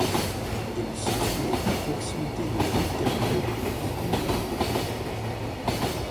Elle est située à proximité de la ville thermale de Lisdoonvarna.